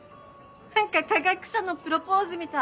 何か科学者のプロポーズみたい。